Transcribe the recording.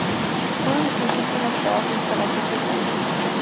Uno de sus últimos trabajos hasta la fecha es "Salud!